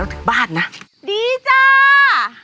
ถึงบ้านนะดีจ้า